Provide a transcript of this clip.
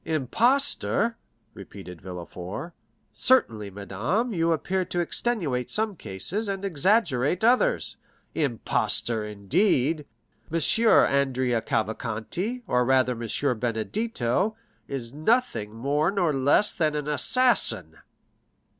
"Impostor," repeated Villefort; "certainly, madame, you appear to extenuate some cases, and exaggerate others. Impostor, indeed!—M. Andrea Cavalcanti, or rather M. Benedetto, is nothing more nor less than an assassin!"